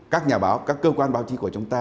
các nhà báo các cơ quan báo chí của chúng ta